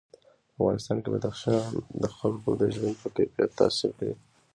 په افغانستان کې بدخشان د خلکو د ژوند په کیفیت تاثیر کوي.